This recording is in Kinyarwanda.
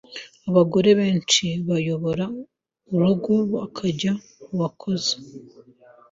Abagore benshi bayobora urugo bakajya kukazi.